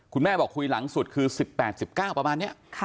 บอกคุยหลังสุดคือ๑๘๑๙ประมาณนี้